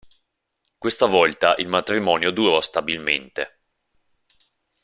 Questa volta, il matrimonio durò stabilmente.